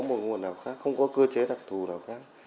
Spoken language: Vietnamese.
một nguồn nào khác không có cơ chế đặc thù nào khác